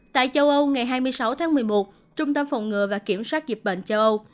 tại châu âu ngày hai mươi sáu tháng một mươi một trung tâm phòng ngừa và kiểm soát dịch bệnh châu âu